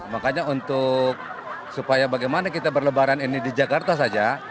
makanya untuk supaya bagaimana kita berlebaran ini di jakarta saja